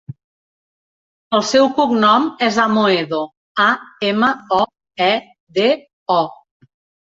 El seu cognom és Amoedo: a, ema, o, e, de, o.